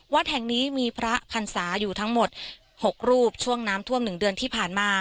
วัดแห่งนี้มีพระพรรษาอยู่ทั้งหมด๖รูปช่วงน้ำท่วม๑เดือนที่ผ่านมา